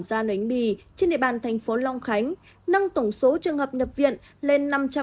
da nánh mì trên địa bàn tp long khánh nâng tổng số trường hợp nhập viện lên năm trăm bốn mươi năm ca